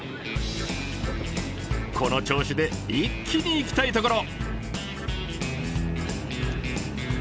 この調子で一気にいきたいところ！